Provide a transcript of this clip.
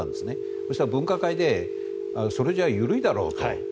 そうしたら分科会でそれじゃ緩いだろうと。